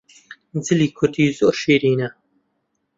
جلی کوردی زۆر شیرینە